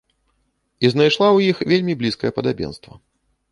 І знайшла ў іх вельмі блізкае падабенства.